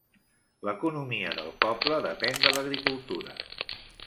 L'economia del poble depèn de l'agricultura.